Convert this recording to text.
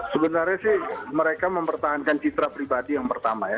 sebenarnya sih mereka mempertahankan citra pribadi yang pertama ya